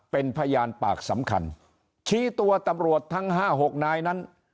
เป็นพยานปากสำคัญชี้ตัวตำรวจทั้งห้าหกนายนั้น